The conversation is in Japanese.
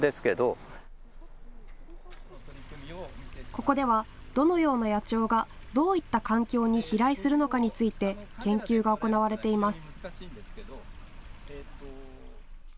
ここでは、どのような野鳥がどういった環境に飛来するのかについて研究が行われています。